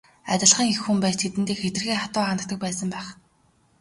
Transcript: Адилхан эх хүн байж тэдэндээ хэтэрхий хатуу ханддаг байсан байх.